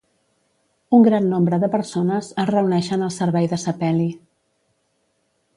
Un gran nombre de persones es reuneixen al servei de sepeli.